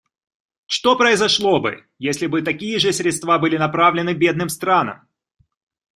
Что произошло бы, если бы такие же средства были направлены бедным странам?